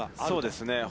そうですね。